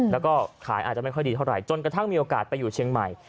แล้วก็ขายอาจจะไม่ค่อยดีเท่าไหร่จนกระทั่งมีโอกาสไปอยู่เชียงใหม่